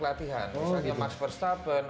latihan misalnya max verstappen